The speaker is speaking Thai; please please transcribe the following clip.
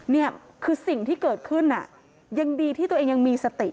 นี่คือสิ่งที่เกิดขึ้นยังดีที่ตัวเองยังมีสติ